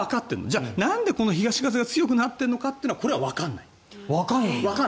じゃあ、なんでこの東風が強くなってるのかというのはこれはわからない。